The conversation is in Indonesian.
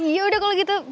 yaudah kalo gitu